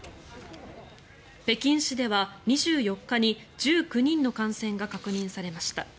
北京市では２４日に１９人の感染が確認されました。